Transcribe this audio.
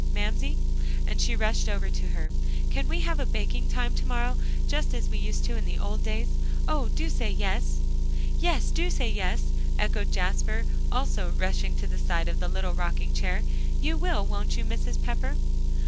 Mamsie," and she rushed over to her, "can we have a baking time to morrow, just as we used to in the old days? Oh! do say yes." "Yes, do say yes," echoed Jasper, also rushing to the side of the little rocking chair. "You will, won't you, Mrs. Pepper?" "Hoh!